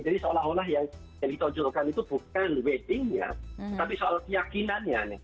jadi seolah olah yang ditunjukkan itu bukan weddingnya tapi soal keyakinannya